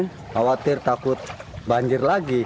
khawatir takut banjir lagi